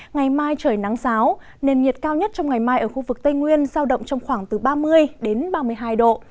ngày mai trời nắng giáo nền nhiệt cao nhất trong ngày mai ở khu vực tây nguyên giao động trong khoảng từ ba mươi đến ba mươi hai độ